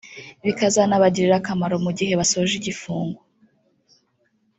bikazanabagirira akamaro mu gihe basoje igifungo